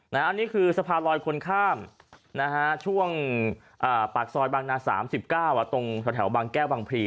อันนี้คือสะพานลอยคนข้ามช่วงปากซอยบางนา๓๙ตรงแถวบางแก้วบางพลี